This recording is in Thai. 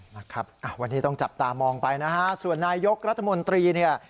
นะครับวันนี้ต้องจับตามองไปนะฮะส่วนนายยกรัฐมนตรีเนี่ย